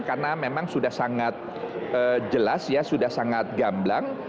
karena memang sudah sangat jelas ya sudah sangat gamblang